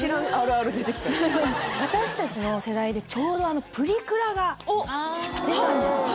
私達の世代でちょうどプリクラが出たんですよ